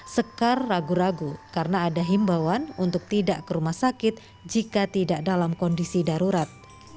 sekar ragu ragu karena ada himbawan untuk tidak ke rumah sakit jika tidak dalam kondisi darurat